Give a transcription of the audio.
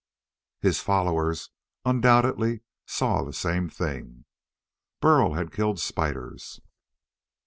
His followers undoubtedly saw the same thing. Burl had killed spiders.